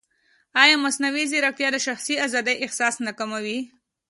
ایا مصنوعي ځیرکتیا د شخصي ازادۍ احساس نه کموي؟